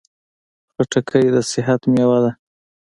خټکی د صحت مېوه ده.